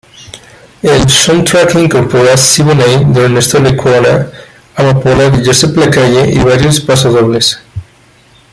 El soundtrack incorpora "Siboney" de Ernesto Lecuona, "Amapola" de Joseph Lacalle y varios pasodobles.